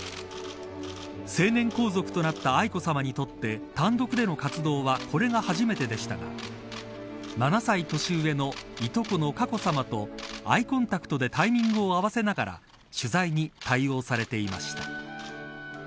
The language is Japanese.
成年皇族となった愛子さまにとって単独での活動はこれが初めてでしたが７歳年上の、いとこの佳子さまとアイコンタクトでタイミングを合わせながら取材に対応されていました。